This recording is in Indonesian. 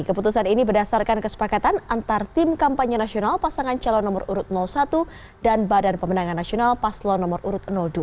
keputusan ini berdasarkan kesepakatan antar tim kampanye nasional pasangan calon nomor urut satu dan badan pemenangan nasional paslon nomor urut dua